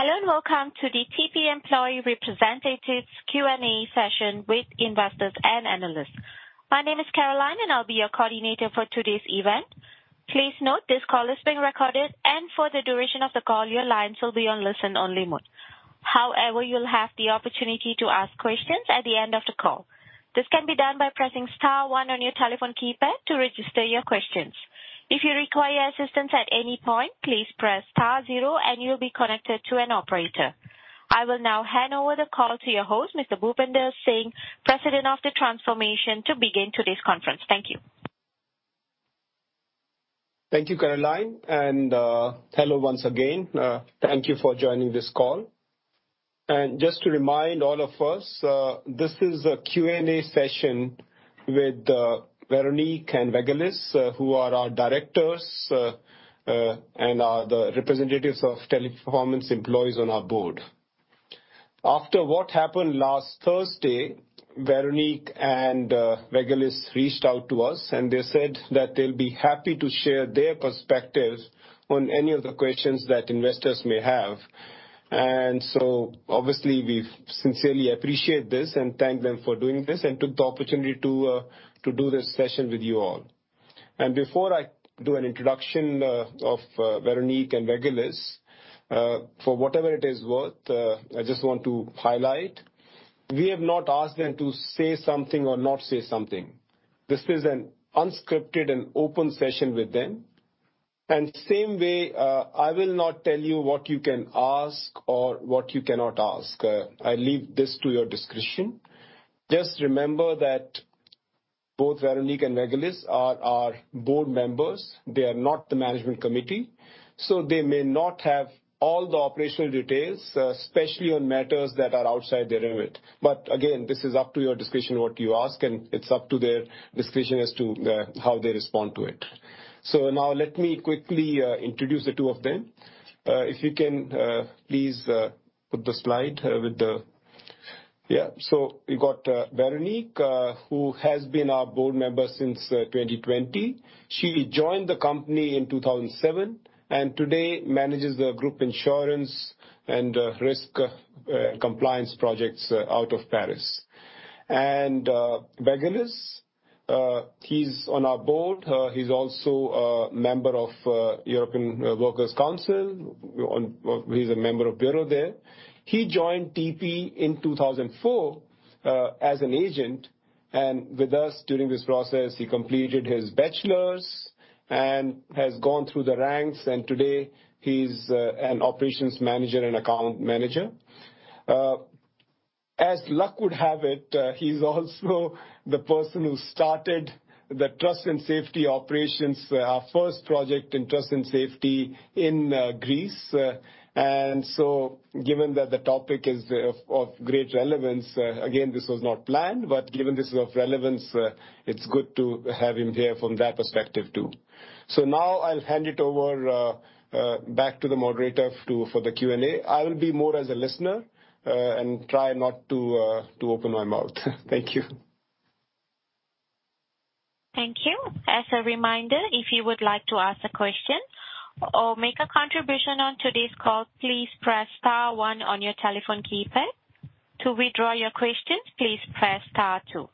Hello, and welcome to the TP employee representatives Q&A session with investors and analysts. My name is Caroline, and I'll be your coordinator for today's event. Please note this call is being recorded, and for the duration of the call, your lines will be on listen-only mode. However, you'll have the opportunity to ask questions at the end of the call. This can be done by pressing star one on your telephone keypad to register your questions. If you require assistance at any point, please press star zero and you'll be connected to an operator. I will now hand over the call to your host, Mr. Bhupender Singh, President of Group Transformation, to begin today's conference. Thank you. Thank you, Caroline. Hello once again. Thank you for joining this call. Just to remind all of us, this is a Q&A session with Véronique and Vagelis, who are our directors and are the representatives of Teleperformance employees on our board. After what happened last Thursday, Véronique and Vagelis reached out to us, and they said that they'll be happy to share their perspective on any of the questions that investors may have. Obviously we sincerely appreciate this and thank them for doing this and took the opportunity to do this session with you all. Before I do an introduction of Véronique and Vagelis, for whatever it is worth, I just want to highlight, we have not asked them to say something or not say something. This is an unscripted and open session with them. Same way, I will not tell you what you can ask or what you cannot ask. I leave this to your discretion. Just remember that both Véronique and Vagelis are our board members. They are not the management committee, so they may not have all the operational details, especially on matters that are outside their remit. This is up to your discretion what you ask, and it's up to their discretion as to how they respond to it. Now let me quickly introduce the two of them. If you can, please, put the slide. We've got Véronique, who has been our board member since 2020. She joined the company in 2007 and today manages the group insurance and risk compliance projects out of Paris. Vagelis, he's on our board. He's also a member of European Works Council. He's a member of bureau there. He joined TP in 2004 as an agent, and with us during this process, he completed his bachelor's and has gone through the ranks, and today he's an operations manager and account manager. As luck would have it, he's also the person who started the Trust and Safety operations first project in Trust and Safety in Greece. Given that the topic is of great relevance, again, this was not planned, but given this is of relevance, it's good to have him here from that perspective too. Now I'll hand it over back to the moderator for the Q&A. I will be more as a listener and try not to open my mouth. Thank you. Thank you. As a reminder, if you would like to ask a question or make a contribution on today's call, please press star one on your telephone keypad. To withdraw your questions, please press star two.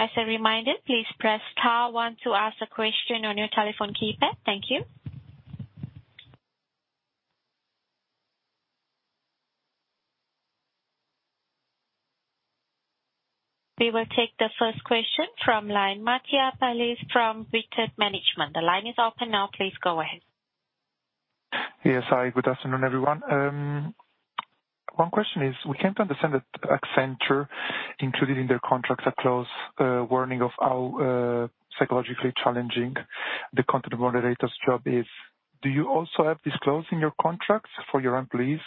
As a reminder, please press star one to ask a question on your telephone keypad. Thank you. We will take the first question from line, Mattia Palù from VItad Management. The line is open now. Please go ahead. Yes. Hi, good afternoon, everyone. One question is, we came to understand that Accenture included in their contracts a clause warning of how psychologically challenging the content moderator's job is. Do you also have this clause in your contracts for your employees?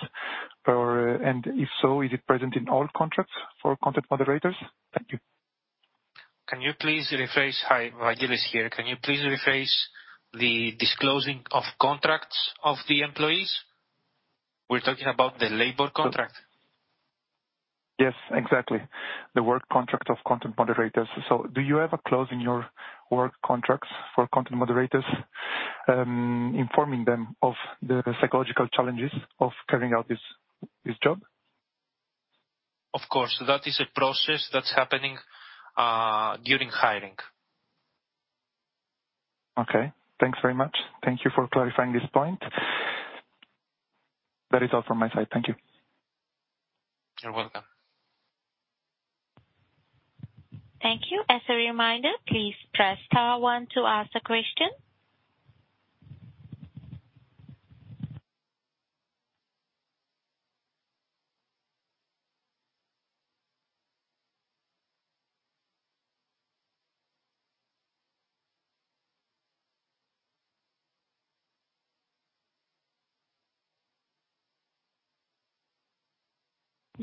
Or, and if so, is it present in all contracts for content moderators? Thank you. Hi. Vagelis here. Can you please rephrase the disclosure of contracts of the employees? We're talking about the labor contract? Yes, exactly. The work contract of content moderators. Do you have a clause in your work contracts for content moderators, informing them of the psychological challenges of carrying out this job? Of course. That is a process that's happening during hiring. Okay. Thanks very much. Thank you for clarifying this point. That is all from my side. Thank you. You're welcome. Thank you. As a reminder, please press star one to ask a question.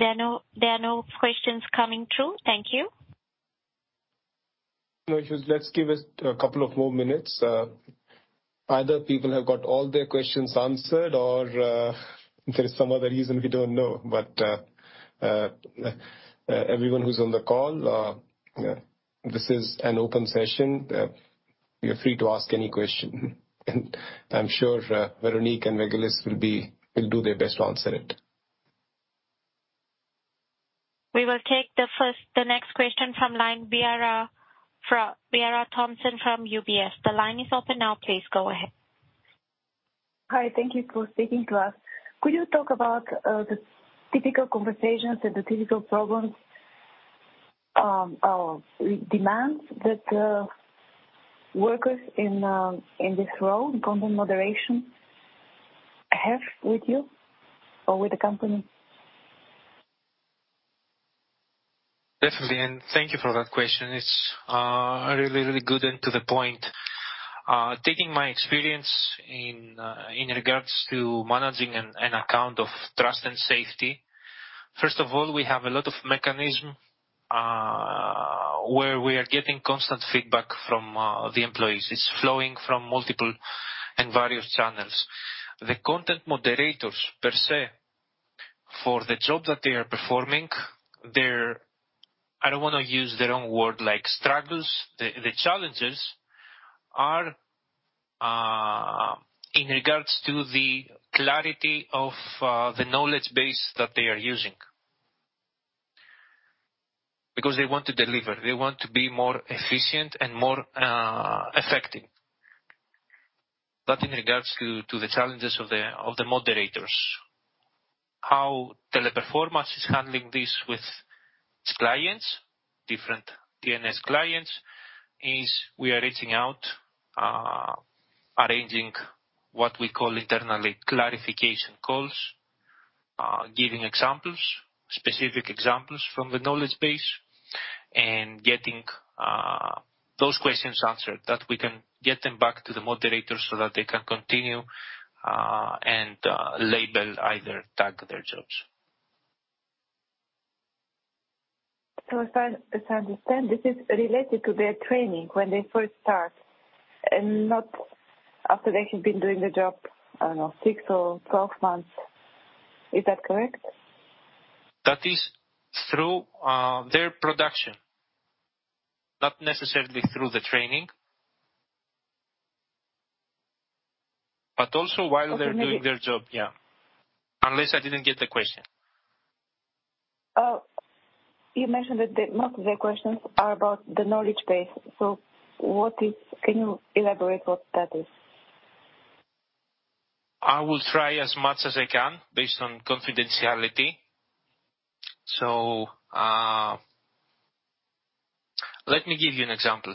There are no questions coming through. Thank you. No issues. Let's give us a couple of more minutes. Either people have got all their questions answered or there is some other reason we don't know. Everyone who's on the call, this is an open session. Feel free to ask any question, and I'm sure Véronique and Vagelis will do their best to answer it. We will take the next question from Viara Thompson from UBS. The line is open now. Please go ahead. Hi. Thank you for speaking to us. Could you talk about the typical conversations and the typical problems or demands that workers in this role, content moderation, have with you or with the company? Definitely. Thank you for that question. It's really good and to the point. Taking my experience in regards to managing an account of Trust & Safety, first of all, we have a lot of mechanisms where we are getting constant feedback from the employees. It's flowing from multiple and various channels. The content moderators per se, for the job that they are performing, their, I don't wanna use the wrong word like struggles. The challenges are in regards to the clarity of the knowledge base that they are using. Because they want to deliver, they want to be more efficient and more effective. That in regards to the challenges of the moderators. How Teleperformance is handling this with its clients, different T&S clients, is we are reaching out, arranging what we call internally clarification calls, giving examples, specific examples from the knowledge base and getting, those questions answered that we can get them back to the moderators so that they can continue, and, label either tag their jobs. As I understand, this is related to their training when they first start and not after they have been doing the job, I don't know, six or 12 months. Is that correct? That is through their production, not necessarily through the training. Also while they're doing their job. Yeah. Unless I didn't get the question. Oh, you mentioned that most of their questions are about the knowledge base. Can you elaborate what that is? I will try as much as I can based on confidentiality. Let me give you an example.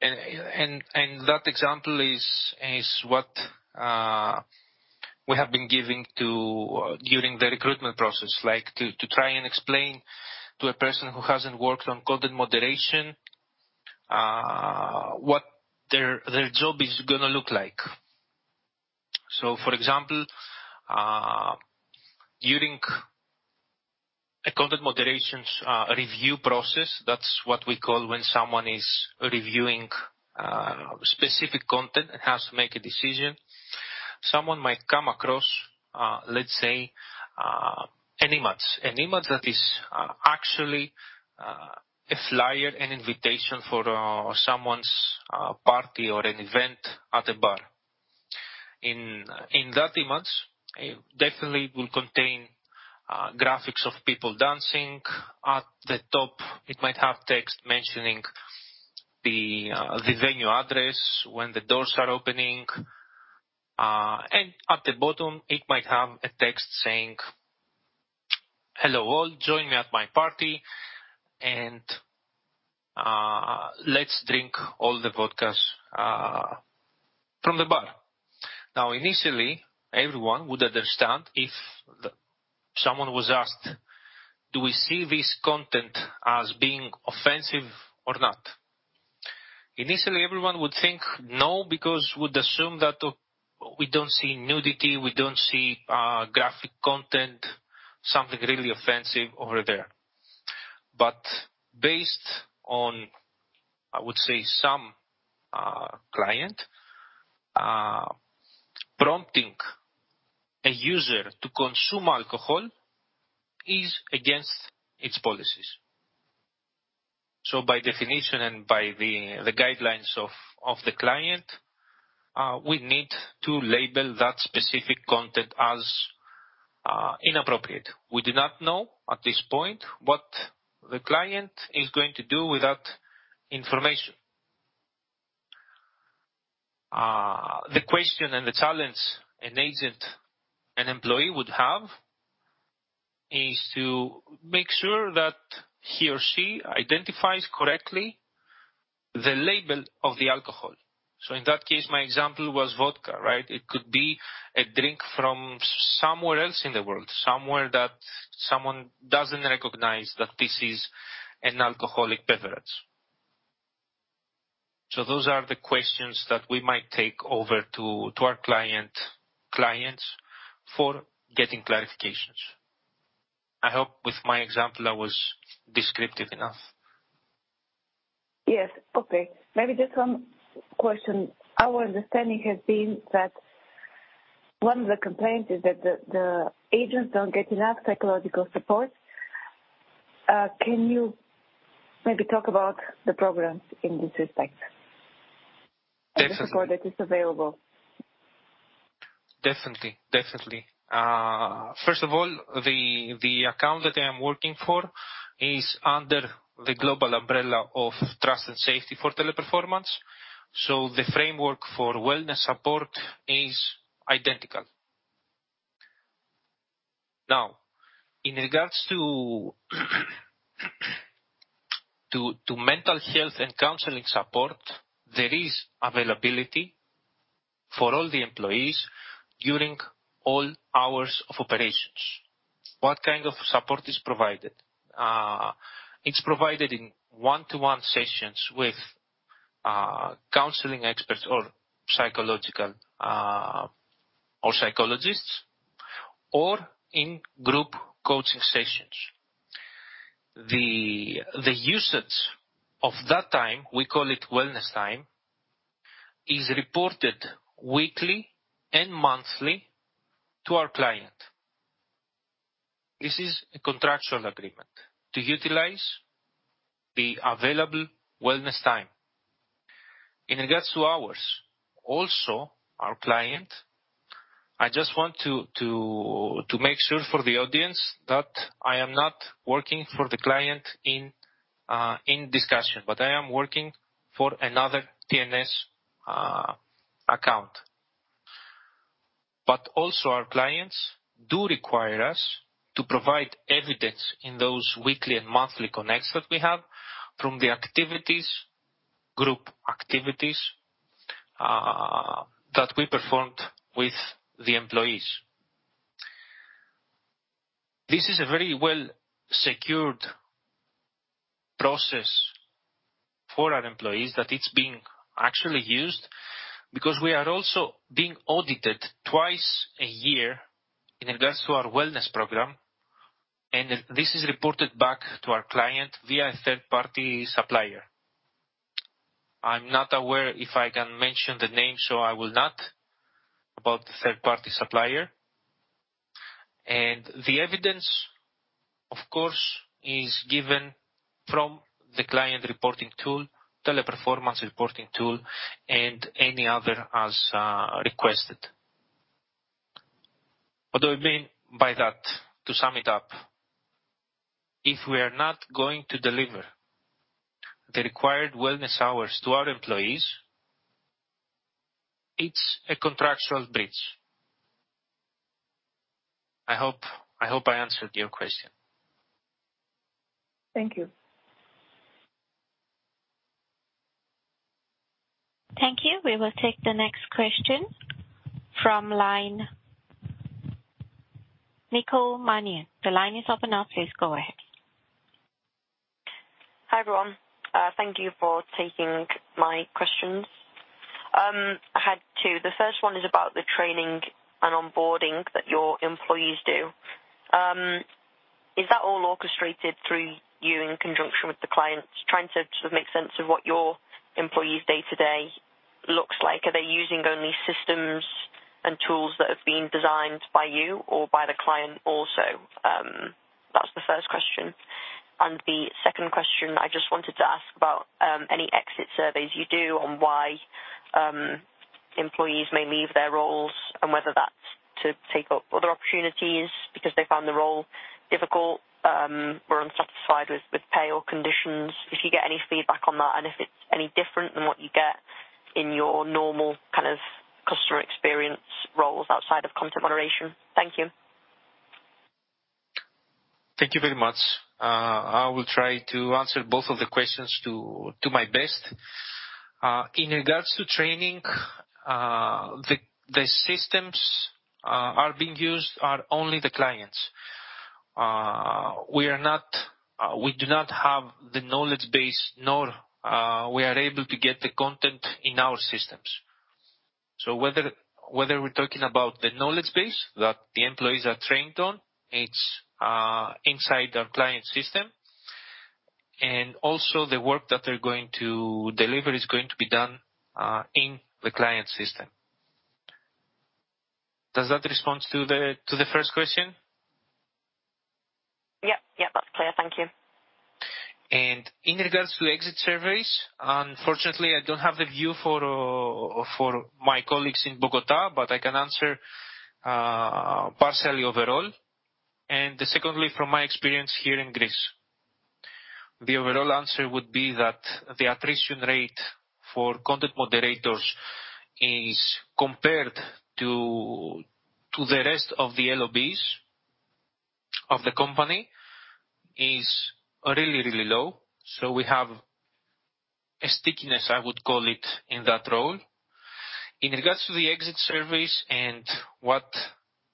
That example is what we have been giving to during the recruitment process, like to try and explain to a person who hasn't worked on content moderation, what their job is gonna look like. For example, during a content moderation review process, that's what we call when someone is reviewing specific content and has to make a decision. Someone might come across, let's say, an image. An image that is actually a flyer, an invitation for someone's party or an event at a bar. In that image, it definitely will contain graphics of people dancing. At the top, it might have text mentioning the venue address, when the doors are opening. At the bottom it might have a text saying, hello, all. Join me at my party and let's drink all the vodkas from the bar. Now, initially, everyone would understand if someone was asked, do we see this content as being offensive or not? Initially, everyone would think no, because we'd assume that we don't see nudity, we don't see graphic content, something really offensive over there. Based on, I would say, some client prompting a user to consume alcohol is against its policies. By definition and by the guidelines of the client, we need to label that specific content as inappropriate. We do not know at this point what the client is going to do with that information. The question and the challenge an agent, an employee would have is to make sure that he or she identifies correctly the label of the alcohol. In that case, my example was vodka, right? It could be a drink from somewhere else in the world, somewhere that someone doesn't recognize that this is an alcoholic beverage. Those are the questions that we might take over to our clients for getting clarifications. I hope with my example I was descriptive enough. Yes, okay. Maybe just one question. Our understanding has been that one of the complaints is that the agents don't get enough psychological support. Can you maybe talk about the programs in this respect? Definitely. The support that is available. Definitely. First of all, the account that I am working for is under the global umbrella of Trust & Safety for Teleperformance. The framework for wellness support is identical. Now, in regards to mental health and counseling support, there is availability for all the employees during all hours of operations. What kind of support is provided? It's provided in one-to-one sessions with counseling experts or psychological or psychologists, or in group coaching sessions. The usage of that time, we call it wellness time, is reported weekly and monthly to our client. This is a contractual agreement to utilize the available wellness time. In regards to hours, also our client. I just want to make sure for the audience that I am not working for the client in discussion, but I am working for another T&S account. Our clients do require us to provide evidence in those weekly and monthly connects that we have from the activities, group activities, that we performed with the employees. This is a very well-secured process for our employees that it's being actually used because we are also being audited twice a year in regards to our wellness program, and this is reported back to our client via a third-party supplier. I'm not aware if I can mention the name, so I will not, about the third-party supplier. The evidence, of course, is given from the client reporting tool, Teleperformance reporting tool and any other as requested. What do I mean by that? To sum it up, if we are not going to deliver the required wellness hours to our employees, it's a contractual breach. I hope I answered your question. Thank you. Thank you. We will take the next question from line, Nicole Manion. The line is open now. Please go ahead. Hi, everyone. Thank you for taking my questions. I had two. The first one is about the training and onboarding that your employees do. Is that all orchestrated through you in conjunction with the clients? Trying to sort of make sense of what your employees' day-to-day looks like. Are they using only systems and tools that have been designed by you or by the client also? That's the first question. The second question, I just wanted to ask about any exit surveys you do on why employees may leave their roles and whether that's to take up other opportunities because they found the role difficult or unsatisfied with pay or conditions. If you get any feedback on that and if it's any different than what you get in your normal kind of customer experience roles outside of content moderation. Thank you. Thank you very much. I will try to answer both of the questions to my best. In regards to training, the systems are being used are only the clients. We do not have the knowledge base, nor we are able to get the content in our systems. Whether we're talking about the knowledge base that the employees are trained on, it's inside our client system, and also the work that they're going to deliver is going to be done in the client system. Does that respond to the first question? Yep. Yep, that's clear. Thank you. In regards to exit surveys, unfortunately I don't have the view for my colleagues in Bogotá, but I can answer partially overall, and secondly from my experience here in Greece. The overall answer would be that the attrition rate for content moderators is, compared to the rest of the LOBs of the company, really, really low. We have a stickiness, I would call it, in that role. In regards to the exit surveys and what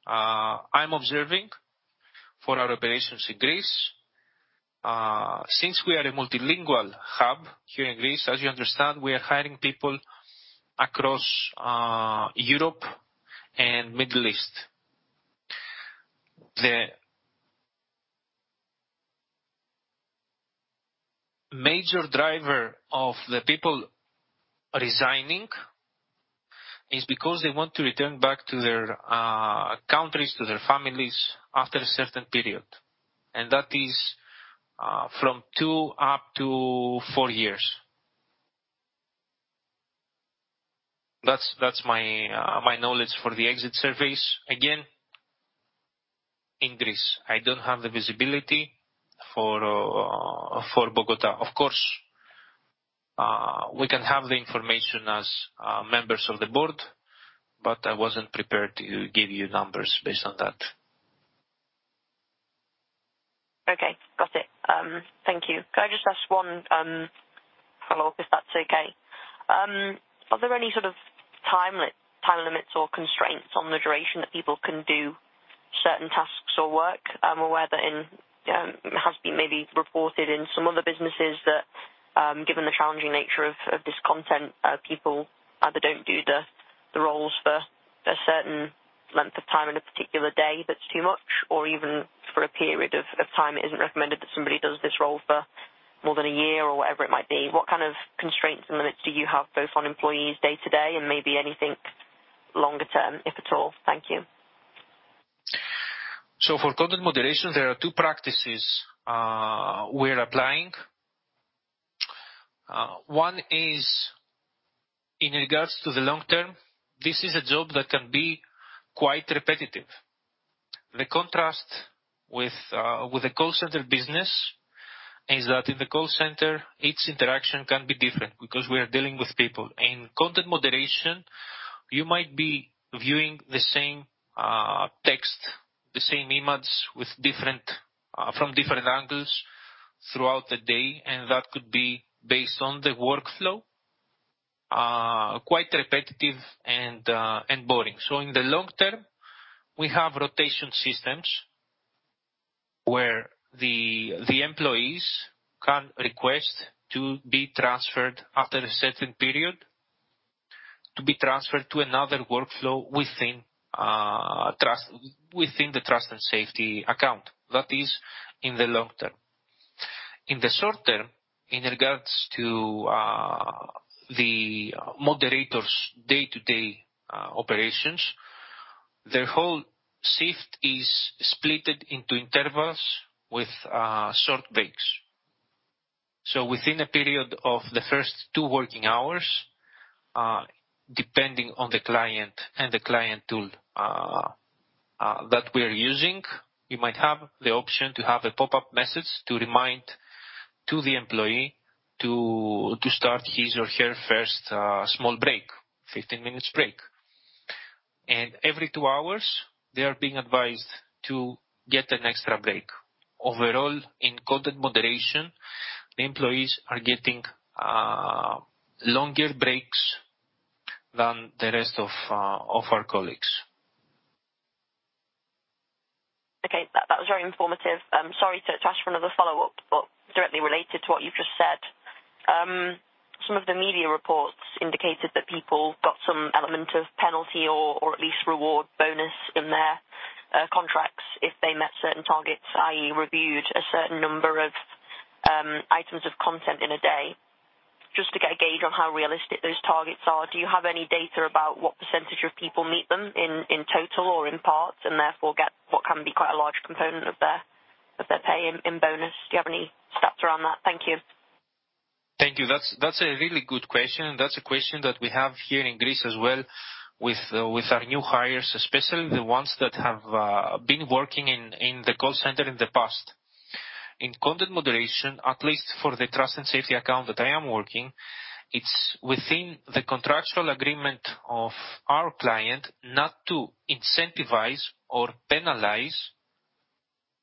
I'm observing for our operations in Greece, since we are a multilingual hub here in Greece, as you understand, we are hiring people across Europe and Middle East. The major driver of the people resigning is because they want to return back to their countries, to their families after a certain period, and that is from two up to four years. That's my knowledge for the exit surveys. Again, in Greece. I don't have the visibility for Bogotá. Of course, we can have the information as members of the board, but I wasn't prepared to give you numbers based on that. Okay. Got it. Thank you. Can I just ask one follow-up, if that's okay? Are there any sort of time limits or constraints on the duration that people can do certain tasks or work? I'm aware that in it has been maybe reported in some other businesses that given the challenging nature of this content people either don't do the roles for a certain length of time in a particular day that's too much or even for a period of time it isn't recommended that somebody does this role for more than a year or whatever it might be. What kind of constraints and limits do you have both on employees day-to-day and maybe anything longer term, if at all? Thank you. For content moderation, there are two practices we're applying. One is in regards to the long term. This is a job that can be quite repetitive. The contrast with the call center business is that in the call center, each interaction can be different because we are dealing with people. In content moderation, you might be viewing the same text, the same image from different angles throughout the day, and that could be based on the workflow quite repetitive and boring. In the long term, we have rotation systems where the employees can request to be transferred after a certain period, to be transferred to another workflow within the Trust & Safety account. That is in the long term. In the short term, in regards to the moderators day-to-day operations, their whole shift is split into intervals with short breaks. Within a period of the first two working hours, depending on the client and the client tool that we're using, you might have the option to have a pop-up message to remind to the employee to start his or her first small break, 15-minute break. Every two hours, they are being advised to get an extra break. Overall, in content moderation, the employees are getting longer breaks than the rest of our colleagues. Okay. That was very informative. Sorry to ask for another follow-up, but directly related to what you've just said. Some of the media reports indicated that people got some element of penalty or at least reward bonus in their contracts if they met certain targets, i.e., reviewed a certain number of items of content in a day. Just to get a gauge on how realistic those targets are, do you have any data about what percentage of people meet them in total or in parts and therefore get what can be quite a large component of their pay in bonus? Do you have any stats around that? Thank you. Thank you. That's a really good question. That's a question that we have here in Greece as well with our new hires, especially the ones that have been working in the call center in the past. In content moderation, at least for the trust and safety account that I am working, it's within the contractual agreement of our client not to incentivize or penalize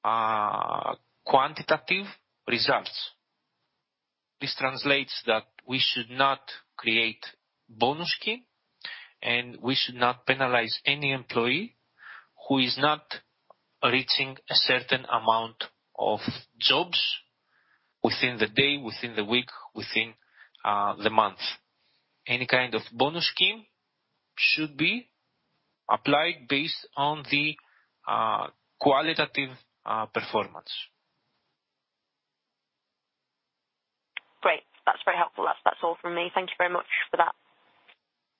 quantitative results. This translates that we should not create bonus scheme, and we should not penalize any employee who is not reaching a certain amount of jobs within the day, within the week, within the month. Any kind of bonus scheme should be applied based on the qualitative performance. Great. That's very helpful. That's all from me. Thank you very much for that.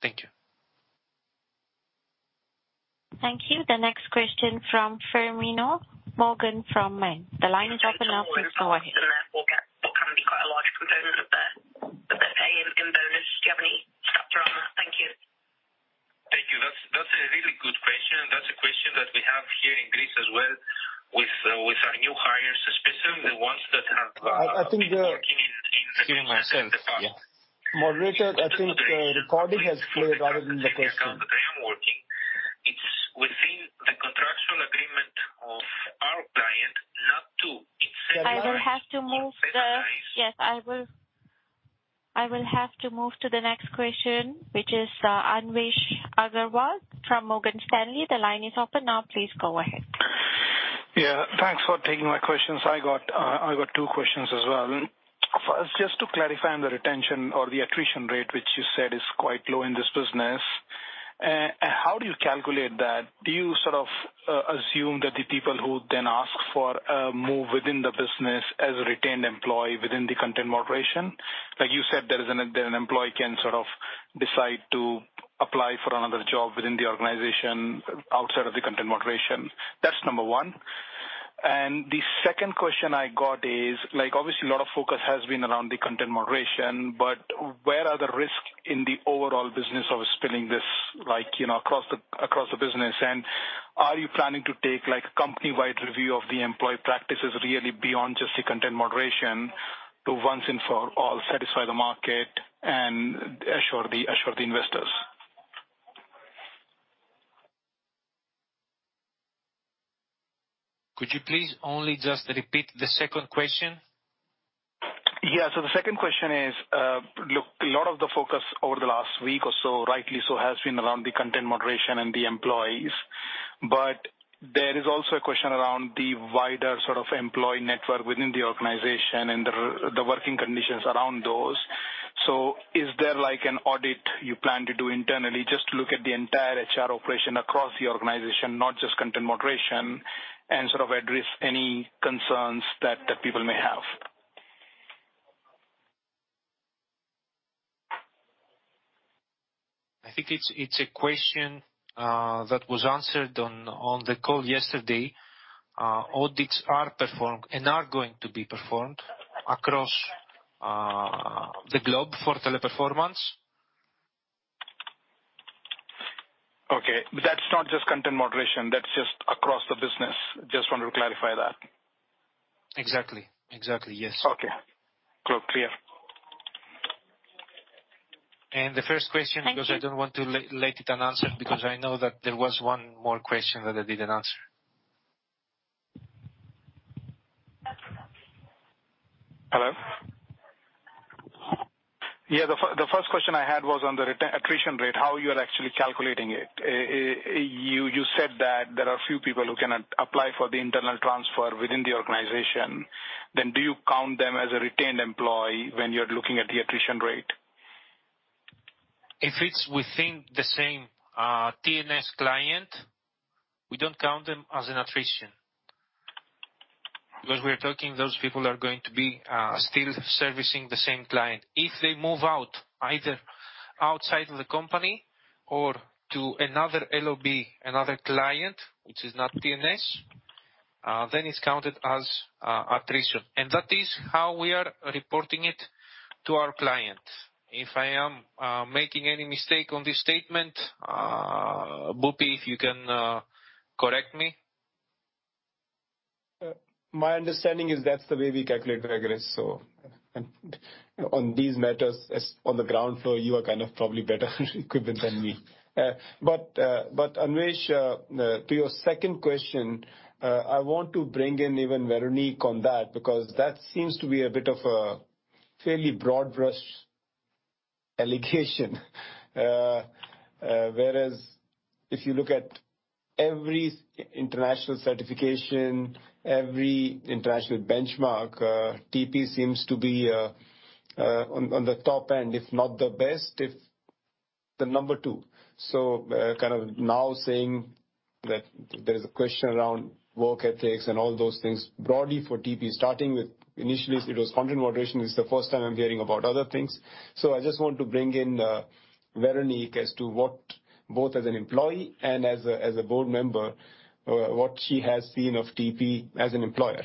Thank you. Thank you. The next question from Firmino Morgan from Mediobanca. The line is open. Therefore get what can be quite a large component of their pay in bonus. Do you have any stats around that? Thank you. Thank you. That's a really good question. That's a question that we have here in Greece as well with our new hires, especially the ones that have. I think. been working in the call center in the past. Moderator, I think the recording has played rather than the question. Yes, I will have to move to the next question, which is Anvesh Agrawal from Morgan Stanley. The line is open now. Please go ahead. Yeah, thanks for taking my questions. I got two questions as well. First, just to clarify on the retention or the attrition rate, which you said is quite low in this business. How do you calculate that? Do you sort of assume that the people who then ask for a move within the business as a retained employee within the content moderation? Like you said, that an employee can sort of decide to apply for another job within the organization outside of the content moderation. That's number one. And the second question I got is, like, obviously, a lot of focus has been around the content moderation, but where are the risks in the overall business of spinning this, like, you know, across the business? Are you planning to take, like, a company-wide review of the employee practices really beyond just the content moderation to once and for all satisfy the market and assure the investors? Could you please only just repeat the second question? Yeah. The second question is, look, a lot of the focus over the last week or so, rightly so, has been around the content moderation and the employees. There is also a question around the wider sort of employee network within the organization and the working conditions around those. Is there, like, an audit you plan to do internally just to look at the entire HR operation across the organization, not just content moderation, and sort of address any concerns that the people may have? I think it's a question that was answered on the call yesterday. Audits are performed and are going to be performed across the globe for Teleperformance. Okay, that's not just content moderation. That's just across the business. Just wanted to clarify that. Exactly. Exactly, yes. Okay. Clear. The first question. Thank you. Because I don't want to leave it unanswered because I know that there was one more question that I didn't answer. Hello? Yeah, the first question I had was on the attrition rate, how you are actually calculating it. You said that there are a few people who cannot apply for the internal transfer within the organization. Do you count them as a retained employee when you're looking at the attrition rate? If it's within the same, TNS client, we don't count them as an attrition. Because we are talking those people are going to be, still servicing the same client. If they move out, either outside of the company or to another LOB, another client, which is not TNS, then it's counted as attrition. That is how we are reporting it to our clients. If I am, making any mistake on this statement, Bhupe, if you can, correct me. My understanding is that's the way we calculate the regrets. On these matters, as on the ground floor, you are kind of probably better equipped than me. Anvesh, to your second question, I want to bring in even Véronique on that, because that seems to be a bit of a fairly broad-brush allegation. Whereas if you look at every ISO international certification, every international benchmark, TP seems to be on the top end, if not the best, if the number two. Kind of now saying that there's a question around work ethics and all those things broadly for TP, starting with initially it was content moderation. This is the first time I'm hearing about other things. I just want to bring in Véronique de Jocas as to what both as an employee and as a board member what she has seen of TP as an employer.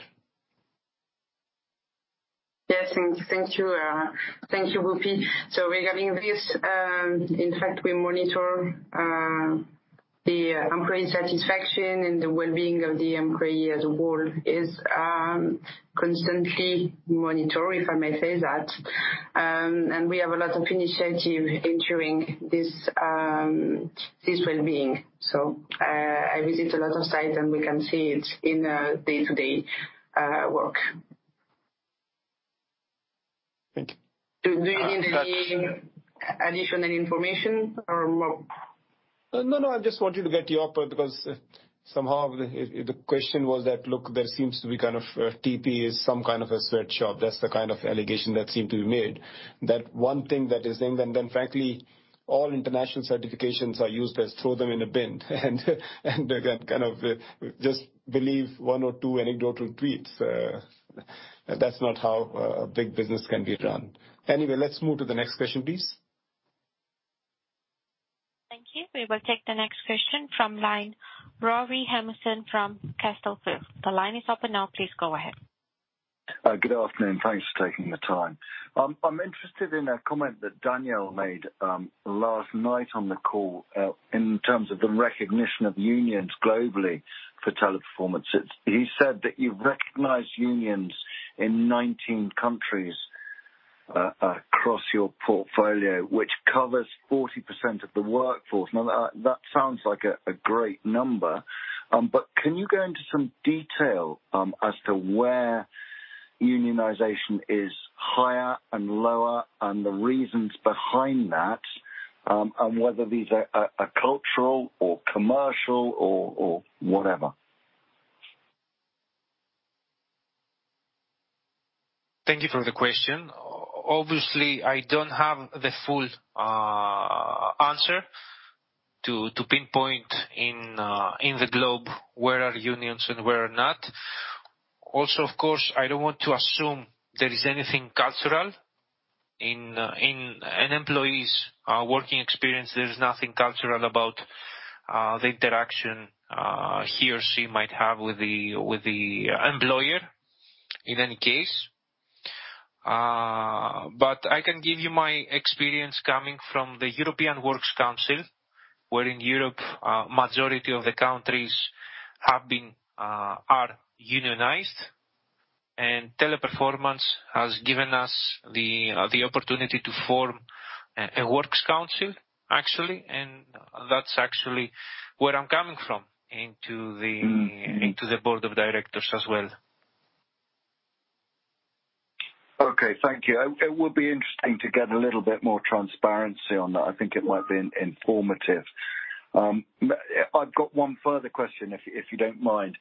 Yes. Thank you, Bhupe. Regarding this, in fact, we monitor the employee satisfaction and the well-being of the employee as a whole is constantly monitored, if I may say that. We have a lot of initiative ensuring this well-being. I visit a lot of sites, and we can see it in day-to-day work. Thank you. Do you need any additional information or more? No, no. I just want you to get your input because somehow the question was that, look, there seems to be kind of TP is some kind of a sweatshop. That's the kind of allegation that seemed to be made. That one thing that is named, and then frankly, all international certifications are used to throw them in a bin, and again, kind of just believe one or two anecdotal tweets. That's not how a big business can be run. Anyway, let's move to the next question, please. Thank you. We will take the next question from line, Rory Hammerson from Castlefield. The line is open now. Please go ahead. Good afternoon. Thanks for taking the time. I'm interested in a comment that Daniel made last night on the call in terms of the recognition of unions globally for Teleperformance. He said that you've recognized unions in 19 countries across your portfolio, which covers 40% of the workforce. Now that sounds like a great number. Can you go into some detail as to where unionization is higher and lower and the reasons behind that and whether these are cultural or commercial or whatever. Thank you for the question. Obviously, I don't have the full answer to pinpoint in the globe where are unions and where are not. Also, of course, I don't want to assume there is anything cultural in an employee's working experience. There's nothing cultural about the interaction he or she might have with the employer in any case. I can give you my experience coming from the European Works Council, where in Europe majority of the countries are unionized, and Teleperformance has given us the opportunity to form a works council, actually. That's actually where I'm coming from into the board of directors as well. Okay. Thank you. It would be interesting to get a little bit more transparency on that. I think it might be informative. I've got one further question, if you don't mind,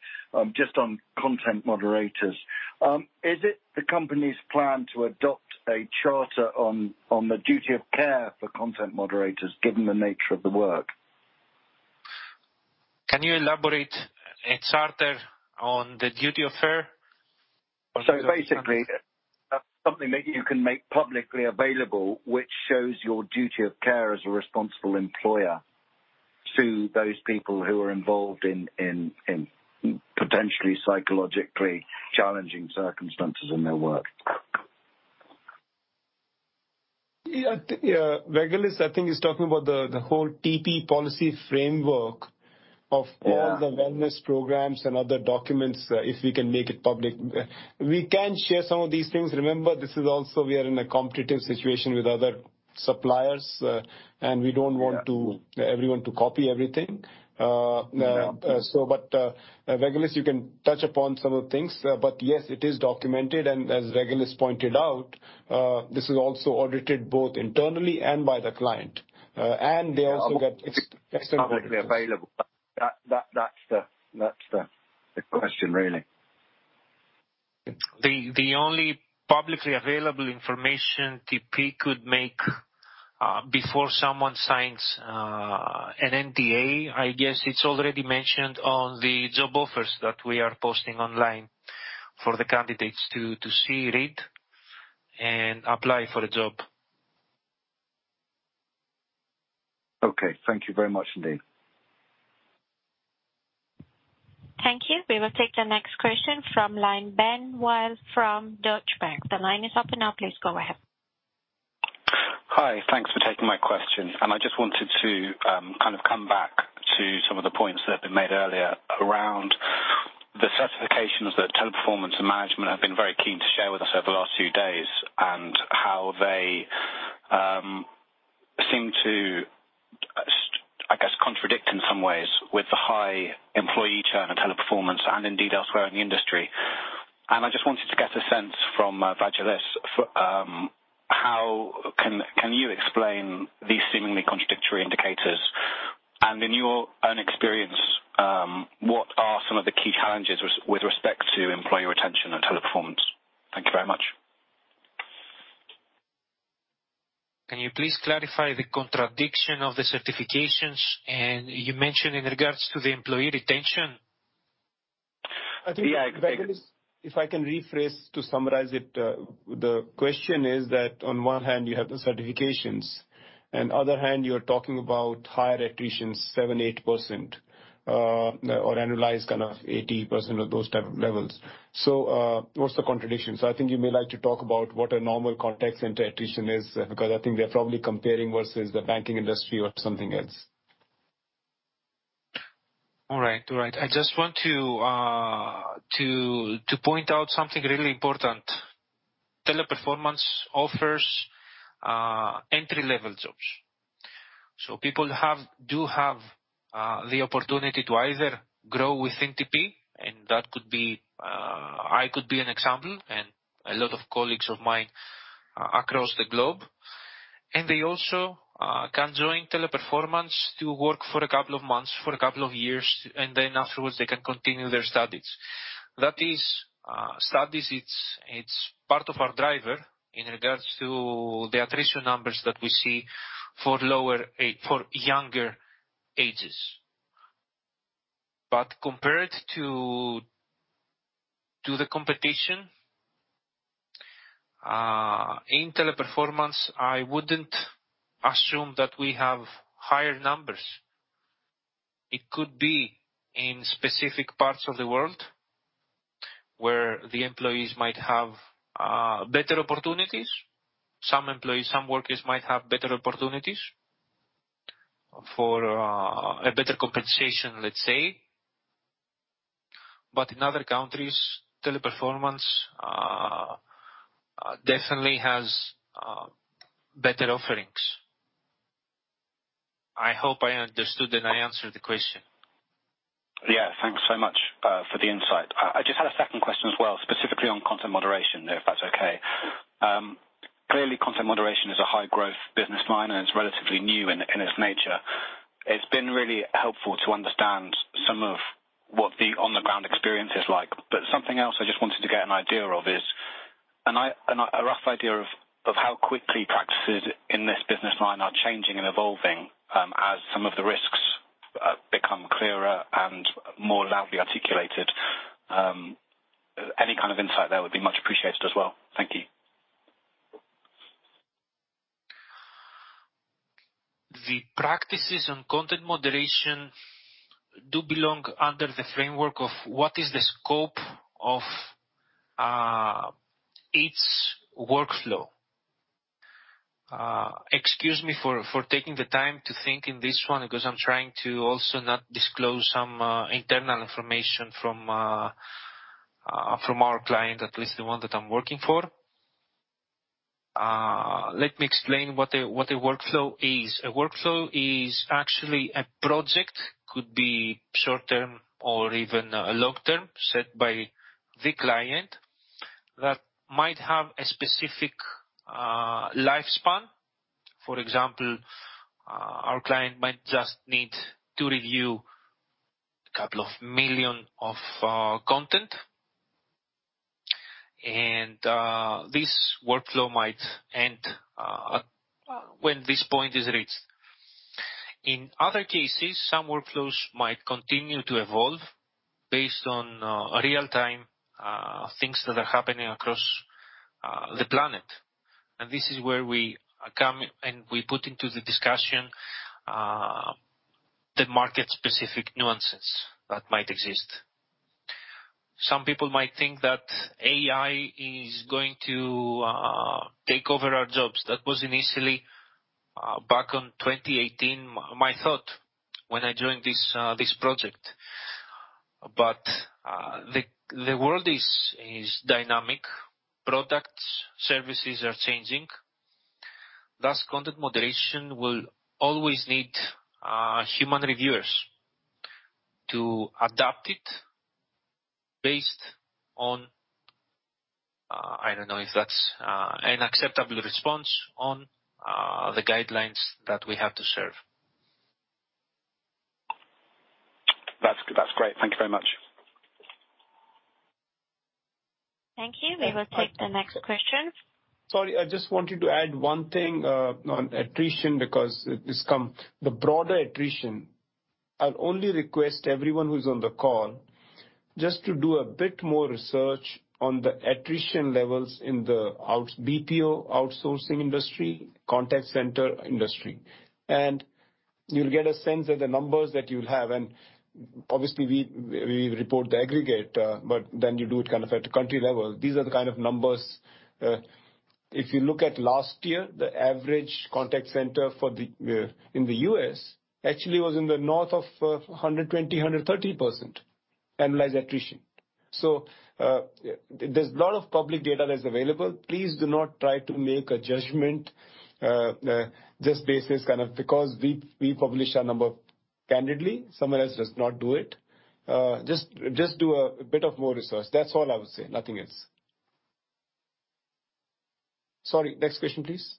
just on content moderators. Is it the company's plan to adopt a charter on the duty of care for content moderators, given the nature of the work? Can you elaborate on a charter on the duty of care? Basically, something that you can make publicly available, which shows your duty of care as a responsible employer to those people who are involved in potentially psychologically challenging circumstances in their work. Yeah, I think Vagelis I think is talking about the whole TP policy framework of- Yeah. all the wellness programs and other documents, if we can make it public. We can share some of these things. Remember, this is also we are in a competitive situation with other suppliers, and we don't want to. Yeah. Everyone to copy everything. Yeah. Vagelis, you can touch upon some of the things. Yes, it is documented. As Vagelis pointed out, this is also audited both internally and by the client. They also get- Publicly available. That's the question really. The only publicly available information TP could make before someone signs an NDA. I guess it's already mentioned on the job offers that we are posting online for the candidates to see, read and apply for a job. Okay. Thank you very much indeed. Thank you. We will take the next question from line Ben Wild from Deutsche Bank. The line is open now. Please go ahead. Hi. Thanks for taking my question. I just wanted to kind of come back to some of the points that have been made earlier around the certifications that Teleperformance management have been very keen to share with us over the last two days and how they seem, I guess, to contradict in some ways with the high employee churn at Teleperformance and indeed elsewhere in the industry. I just wanted to get a sense from Vagelis. How can you explain these seemingly contradictory indicators? In your own experience, what are some of the key challenges with respect to employee retention at Teleperformance? Thank you very much. Can you please clarify the contradiction of the certifications and you mentioned in regards to the employee retention? I think, Vagelis, if I can rephrase to summarize it. The question is that on one hand you have the certifications and other hand you're talking about higher attrition 7%-8%, or annualized kind of 80% or those type of levels. What's the contradiction? I think you may like to talk about what a normal contact center attrition is, because I think they're probably comparing versus the banking industry or something else. All right. I just want to point out something really important. Teleperformance offers entry-level jobs. People do have the opportunity to either grow within TP, and that could be, I could be an example, and a lot of colleagues of mine across the globe. They also can join Teleperformance to work for a couple of months, for a couple of years, and then afterwards they can continue their studies. That is studies. It's part of our driver in regards to the attrition numbers that we see for younger ages. Compared to the competition, I wouldn't assume that we have higher numbers. It could be in specific parts of the world where the employees might have better opportunities. Some employees, some workers might have better opportunities for a better compensation, let's say. In other countries, Teleperformance definitely has better offerings. I hope I understood and I answered the question. Yeah. Thanks so much for the insight. I just had a second question as well, specifically on content moderation, if that's okay. Clearly, content moderation is a high-growth business line, and it's relatively new in its nature. It's been really helpful to understand some of what the on-the-ground experience is like. Something else I just wanted to get an idea of is a rough idea of how quickly practices in this business line are changing and evolving, as some of the risks become clearer and more loudly articulated. Any kind of insight there would be much appreciated as well. Thank you. The practices on content moderation do belong under the framework of what is the scope of its workflow. Excuse me for taking the time to think in this one because I'm trying to also not disclose some internal information from our client, at least the one that I'm working for. Let me explain what a workflow is. A workflow is actually a project, could be short-term or even long-term, set by the client that might have a specific lifespan. For example, our client might just need to review a couple of million of content. This workflow might end when this point is reached. In other cases, some workflows might continue to evolve based on real-time things that are happening across the planet. This is where we come, and we put into the discussion the market-specific nuances that might exist. Some people might think that AI is going to take over our jobs. That was initially back in 2018, my thought when I joined this project. The world is dynamic. Products, services are changing. Thus, content moderation will always need human reviewers to adapt it based on. I don't know if that's an acceptable response on the guidelines that we have to serve. That's great. Thank you very much. Thank you. We will take the next question. Sorry, I just wanted to add one thing on attrition. The broader attrition. I'll only request everyone who's on the call just to do a bit more research on the attrition levels in the outsourcing BPO industry, contact center industry. You'll get a sense of the numbers that you'll have. Obviously we report the aggregate, but then you do it kind of at a country level. These are the kind of numbers if you look at last year, the average contact center in the US actually was in the north of 120-130% annualized attrition. There's a lot of public data that's available. Please do not try to make a judgment just based on this kind of because we publish our number candidly. Someone else does not do it. Just do a bit of more research. That's all I would say. Nothing else. Sorry. Next question, please.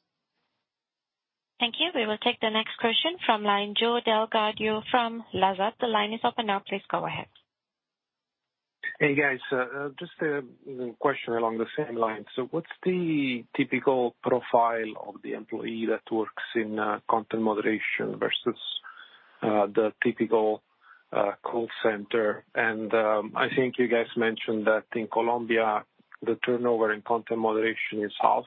Thank you. We will take the next question from Joe Del Gaudio from Lazard. The line is open now. Please go ahead. Hey, guys. Just a question along the same lines. What's the typical profile of the employee that works in content moderation versus the typical call center? I think you guys mentioned that in Colombia, the turnover in content moderation is half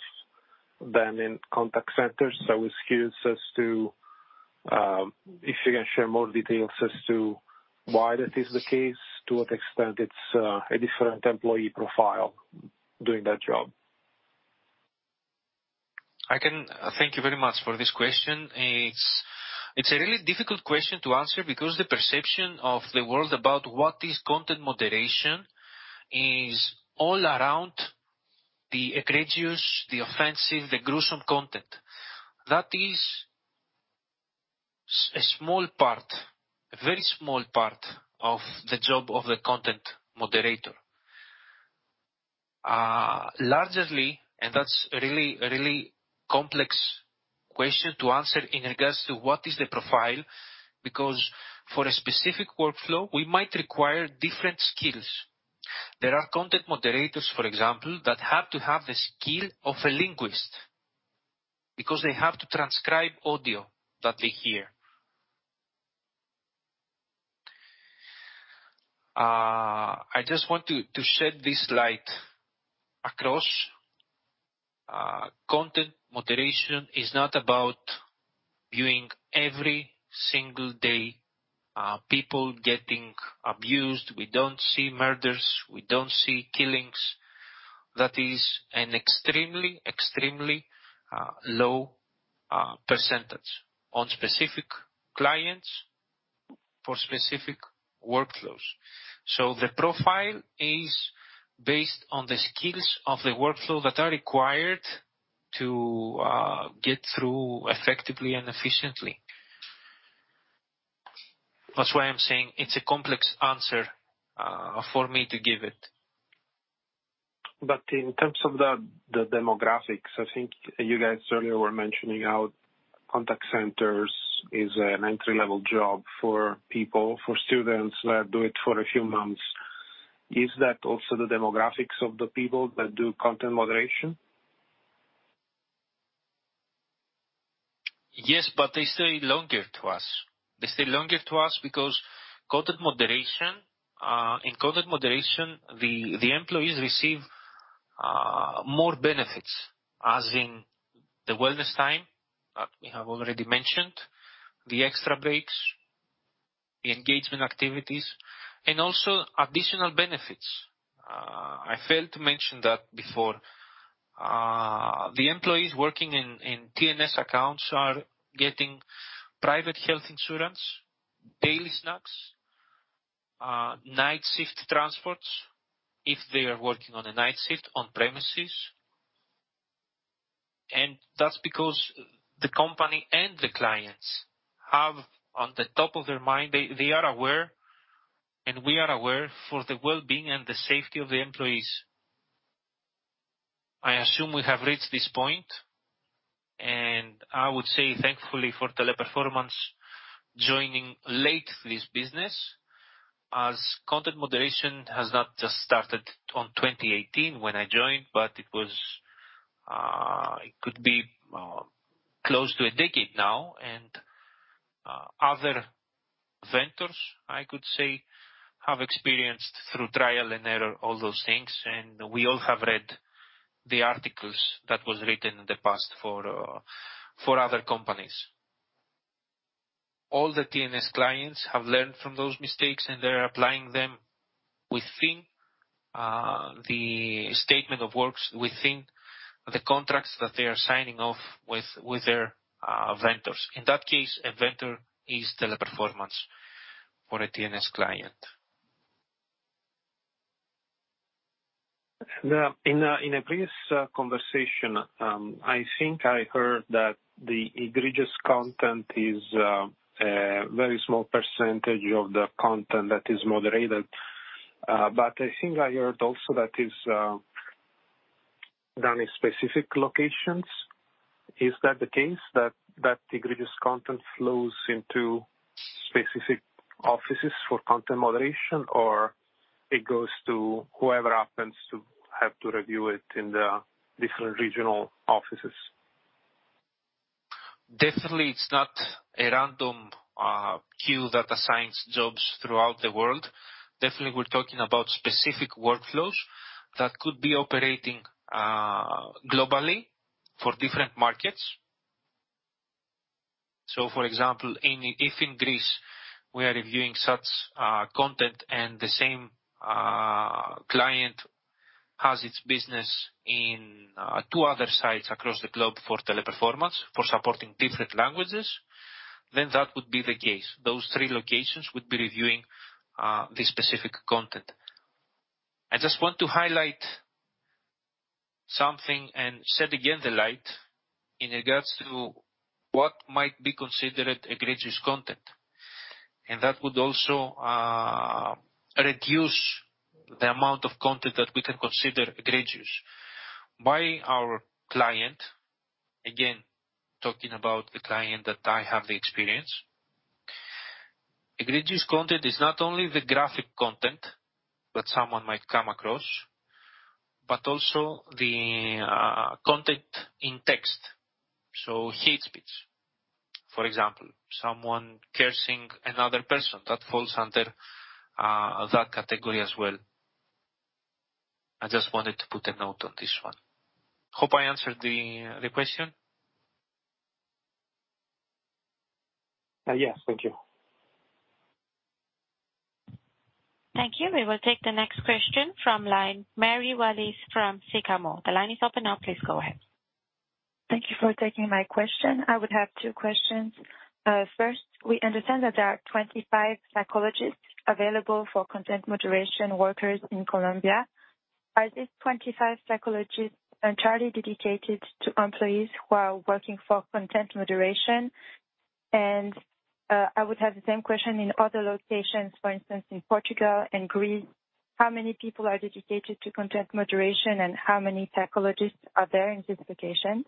than in contact centers. Excuse us to if you can share more details as to why that is the case, to what extent it's a different employee profile doing that job. Thank you very much for this question. It's a really difficult question to answer because the perception of the world about what is content moderation is all around the egregious, the offensive, the gruesome content. That is such a small part, a very small part of the job of the content moderator. Largely, that's a really complex question to answer in regards to what is the profile, because for a specific workflow, we might require different skills. There are content moderators, for example, that have to have the skill of a linguist because they have to transcribe audio that they hear. I just want to shed this light across. Content moderation is not about viewing every single day people getting abused. We don't see murders. We don't see killings. That is an extremely low percentage on specific clients for specific workflows. The profile is based on the skills of the workflow that are required to get through effectively and efficiently. That's why I'm saying it's a complex answer for me to give it. In terms of the demographics, I think you guys earlier were mentioning how contact centers is an entry-level job for people, for students that do it for a few months. Is that also the demographics of the people that do content moderation? Yes, but they stay longer to us because content moderation, in content moderation, the employees receive more benefits, as in the wellness time that we have already mentioned, the extra breaks, the engagement activities, and also additional benefits. I failed to mention that before. The employees working in TNS accounts are getting private health insurance, daily snacks, night shift transports if they are working on a night shift on premises. That's because the company and the clients have at the top of their mind, they are aware, and we are aware, for the well-being and the safety of the employees. I assume we have reached this point, and I would say thankfully for Teleperformance joining late to this business as content moderation has not just started in 2018 when I joined, but it was. It could be close to a decade now. Other vendors, I could say, have experienced through trial and error all those things, and we all have read the articles that was written in the past for other companies. All the T&S clients have learned from those mistakes, and they're applying them within the statements of work, within the contracts that they are signing off with their vendors. In that case, a vendor is Teleperformance for a T&S client. In a previous conversation, I think I heard that the egregious content is a very small percentage of the content that is moderated. I think I heard also that is done in specific locations. Is that the case? That egregious content flows into specific offices for content moderation, or it goes to whoever happens to have to review it in the different regional offices? Definitely it's not a random queue that assigns jobs throughout the world. Definitely we're talking about specific workflows that could be operating globally for different markets. For example, if in Greece we are reviewing such content and the same client has its business in two other sites across the globe for Teleperformance for supporting different languages, then that would be the case. Those three locations would be reviewing the specific content. I just want to highlight something and shed again the light in regards to what might be considered egregious content. That would also reduce the amount of content that we can consider egregious. By our client, again, talking about the client that I have the experience, egregious content is not only the graphic content that someone might come across, but also the content in text. Hate speech, for example. Someone cursing another person. That falls under that category as well. I just wanted to put a note on this one. Hope I answered the question. Yes. Thank you. Thank you. We will take the next question from the line of Mary Wallis from Sycamore. The line is open now. Please go ahead. Thank you for taking my question. I would have two questions. First, we understand that there are 25 psychologists available for content moderation workers in Colombia. Are these 25 psychologists entirely dedicated to employees who are working for content moderation? I would have the same question in other locations, for instance, in Portugal and Greece. How many people are dedicated to content moderation, and how many psychologists are there in this location?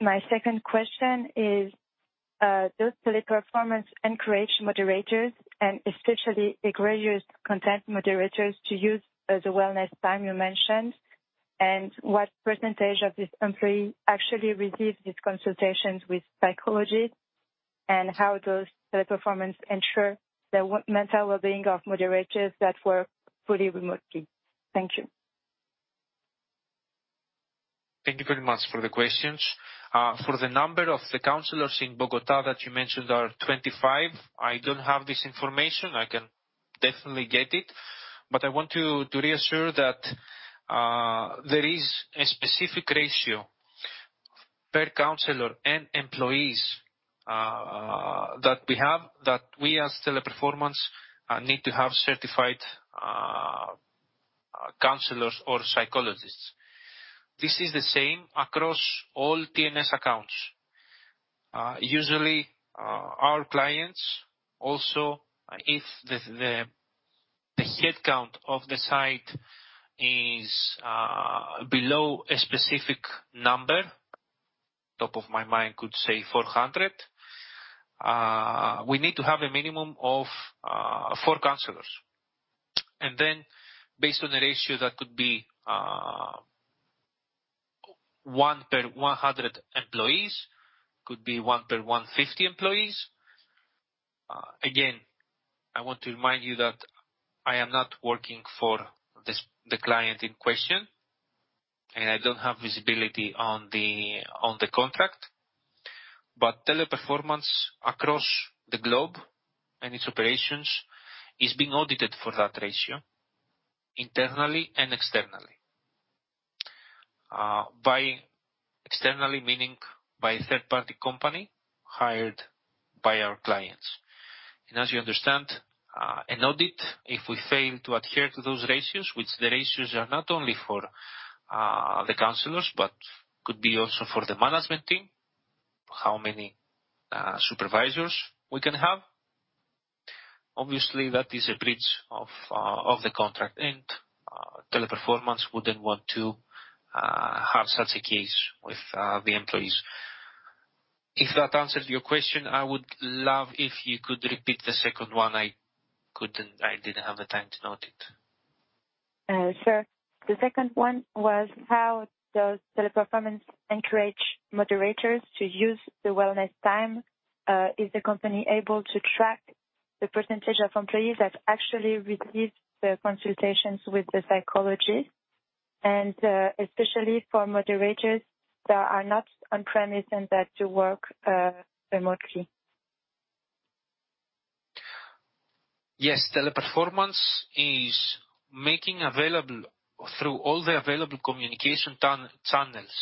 My second question is, does Teleperformance encourage moderators and especially egregious content moderators to use the wellness time you mentioned? What percentage of these employees actually receive these consultations with psychologists? How does Teleperformance ensure the mental well-being of moderators that work fully remotely? Thank you. Thank you very much for the questions. For the number of the counselors in Bogotá that you mentioned are 25. I don't have this information. I can definitely get it, but I want to reassure that there is a specific ratio per counselor and employees that we as Teleperformance need to have certified counselors or psychologists. This is the same across all TNS accounts. Usually, our clients also, if the head count of the site is below a specific number, top of my mind could say 400, we need to have a minimum of four counselors. Based on the ratio, that could be one per 100 employees, could be one per 150 employees. Again, I want to remind you that I am not working for the client in question, and I don't have visibility on the contract. Teleperformance across the globe and its operations is being audited for that ratio internally and externally. By externally, meaning by a third-party company hired by our clients. As you understand, an audit, if we fail to adhere to those ratios, which the ratios are not only for the counselors, but could be also for the management team, how many supervisors we can have. Obviously, that is a breach of the contract, and Teleperformance wouldn't want to have such a case with the employees. If that answered your question, I would love if you could repeat the second one. I couldn't. I didn't have the time to note it. Sure. The second one was: How does Teleperformance encourage moderators to use the wellness time? Is the company able to track the percentage of employees that actually receive the consultations with the psychologist? Especially for moderators that are not on premise and that work remotely. Yes. Teleperformance is making available through all the available communication channels,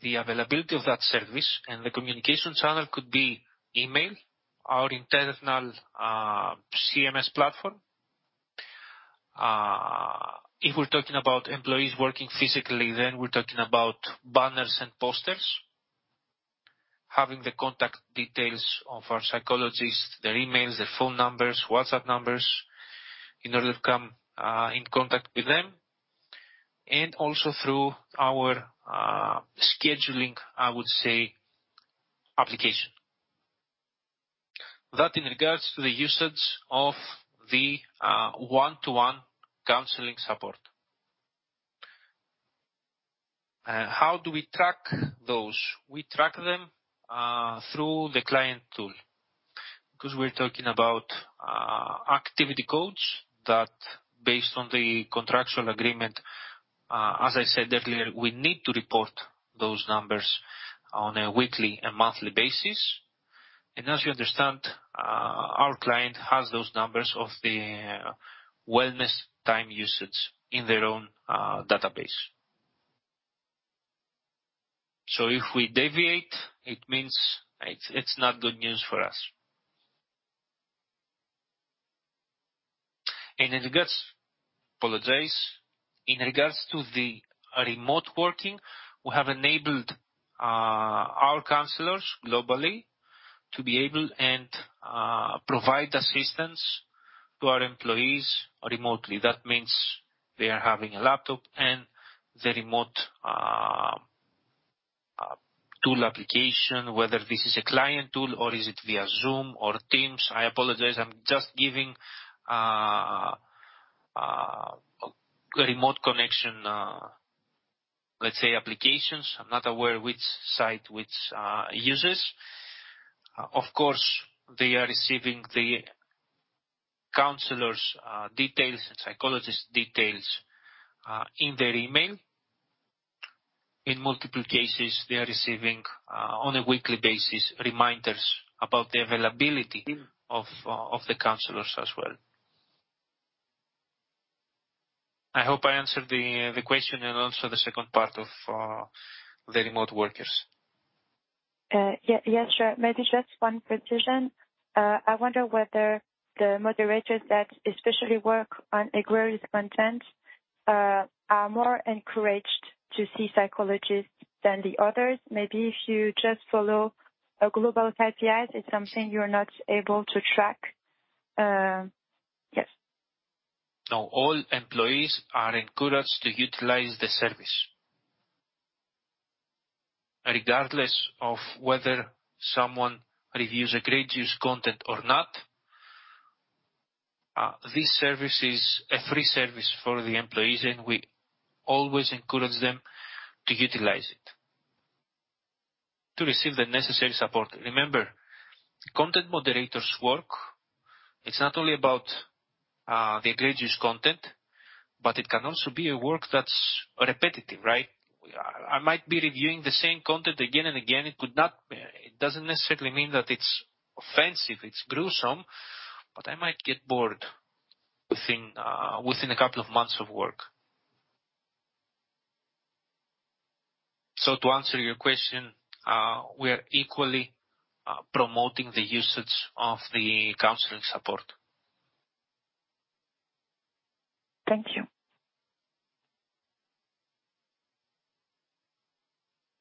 the availability of that service, and the communication channel could be email, our internal CMS platform. If we're talking about employees working physically, then we're talking about banners and posters. Having the contact details of our psychologists, their emails, their phone numbers, WhatsApp numbers, in order to come in contact with them, and also through our scheduling, I would say, application. That in regards to the usage of the one-to-one counseling support. How do we track those? We track them through the client tool, 'cause we're talking about activity codes that based on the contractual agreement, as I said earlier, we need to report those numbers on a weekly and monthly basis. As you understand, our client has those numbers of the wellness time usage in their own database. If we deviate, it means it's not good news for us. In regards to the remote working, we have enabled our counselors globally to be able and provide assistance to our employees remotely. That means they are having a laptop and the remote tool application, whether this is a client tool or is it via Zoom or Teams. I apologize, I'm just giving remote connection, let's say, applications. I'm not aware which site, which users. Of course, they are receiving the counselors' details, psychologist details, in their email. In multiple cases, they are receiving on a weekly basis, reminders about the availability of the counselors as well. I hope I answered the question and also the second part of the remote workers. Yes, sure. Maybe just one precision. I wonder whether the moderators that especially work on egregious content are more encouraged to see psychologists than the others. Maybe if you just follow a global KPI, it's something you're not able to track. Yes. No. All employees are encouraged to utilize the service. Regardless of whether someone reviews gruesome content or not, this service is a free service for the employees, and we always encourage them to utilize it. To receive the necessary support. Remember, content moderators' work, it's not only about the egregious content, but it can also be a work that's repetitive, right? I might be reviewing the same content again and again. It doesn't necessarily mean that it's offensive, it's gruesome, but I might get bored within a couple of months of work. To answer your question, we are equally promoting the usage of the counseling support. Thank you.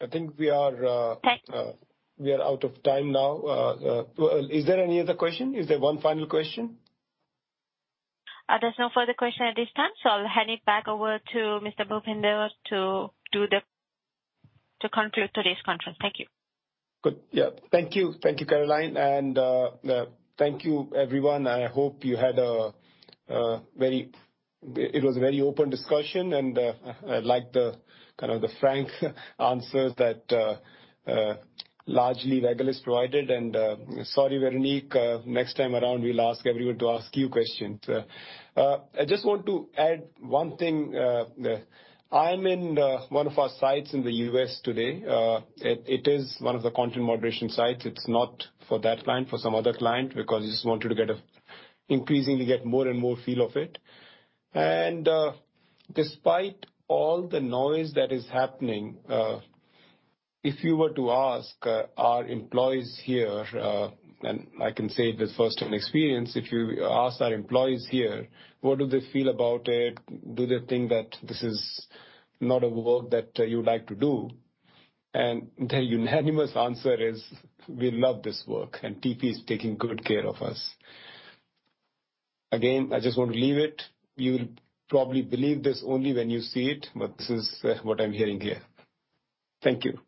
I think we are. Thank- We are out of time now. Well, is there any other question? Is there one final question? There's no further question at this time, so I'll hand it back over to Mr. Bhupender to conclude today's conference. Thank you. Good. Yeah. Thank you. Thank you, Caroline. Thank you, everyone. I hope you had a very. It was a very open discussion, and I like the kind of the frank answers that largely Vagelis has provided. Sorry, Véronique, next time around we'll ask everyone to ask you questions. I just want to add one thing. I am in one of our sites in the U.S. today. It is one of the content moderation sites. It's not for that client, for some other client, because I just wanted to increasingly get more and more feel of it. Despite all the noise that is happening, if you were to ask our employees here, and I can say this firsthand experience. If you ask our employees here, what do they feel about it? Do they think that this is not a work that you would like to do? The unanimous answer is, we love this work, and TP is taking good care of us. Again, I just want to leave it. You'll probably believe this only when you see it, but this is what I'm hearing here. Thank you.